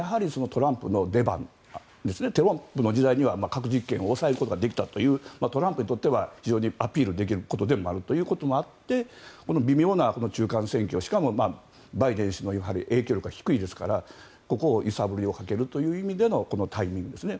トランプの時代には核実験を抑えることができたというトランプにとってはアピールできることでもあって微妙な中間選挙しかもバイデン大統領の影響力は低いですからここに揺さぶりをかけるという意味でのタイミングですね。